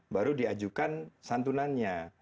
baru diajukan santunannya